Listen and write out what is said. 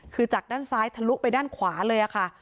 คือจากด้านซ้ายทะลุไปด้านขวาเลยค่ะ